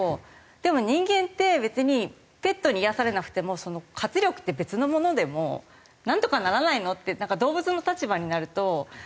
でも人間って別にペットに癒やされなくても活力って別のものでもなんとかならないの？って動物の立場になると。